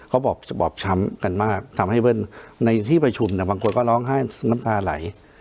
เขาบอกบอบช้ำกันมากทำให้เพื่อนในที่ประชุมบางคนก็ร้องไห้น้ำตาไหล